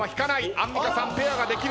アンミカさんペアができる。